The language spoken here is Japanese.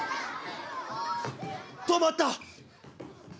止まった！